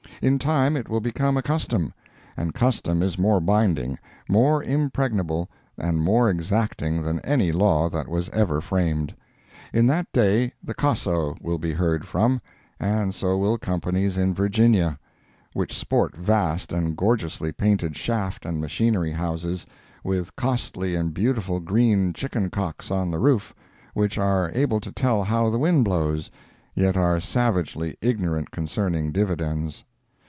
In time it will become a custom, and custom is more binding, more impregnable, and more exacting than any law that was ever framed. In that day the Coso will be heard from; and so will Companies in Virginia, which sport vast and gorgeously painted shaft and machinery houses, with costly and beautiful green chicken cocks on the roof, which are able to tell how the wind blows, yet are savagely ignorant concerning dividends.